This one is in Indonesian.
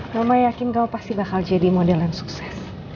mama yakin kamu pasti bakal jadi modelan sukses